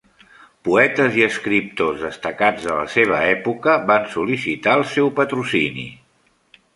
Poetes i escriptors destacats de la seva època, va sol·licitar el seu patrocini.